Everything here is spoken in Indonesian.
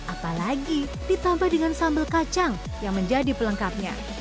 apalagi ditambah dengan sambal kacang yang menjadi pelengkapnya